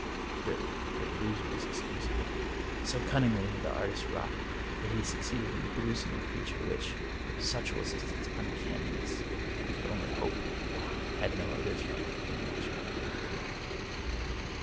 Really, the delusion was excusable. So cun ningly had the artist wrought that he succeeded in pro ducing a creature which, such was its uncanniness, I could only hope had no original in nature.